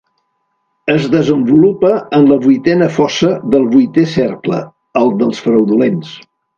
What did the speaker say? Es desenvolupa en la vuitena fossa del vuitè cercle, el dels fraudulents.